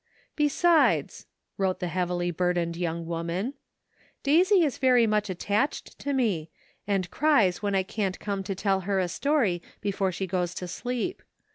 "Besides" [wrote the heavily burdened young woman], " Daisy is very much attached to me, and cries when I can't come to tell her a story before she goes to sleep.